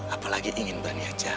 apalagi ingin berniajar